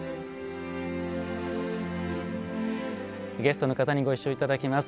ゲストの方にご一緒いただきます。